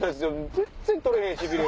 全然取れへん痺れ。